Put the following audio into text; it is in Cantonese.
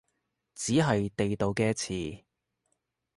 只係地道嘅詞